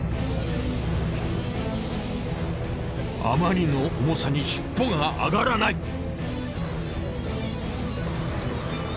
あまりの重さに尻尾が上がらない。